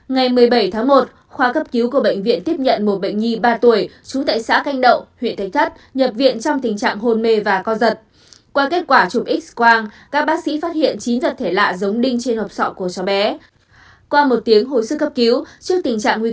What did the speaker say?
ngày một mươi bảy tháng một khoa cấp cứu của bệnh viện tiếp nhận một bệnh nhi ba tuổi xuống tại xã canh đậu huyện thánh thất nhập viện trong tình trạng hồn mê và co giật